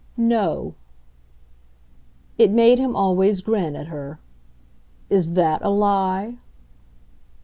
"No." It made him always grin at her. "Is THAT a lie?"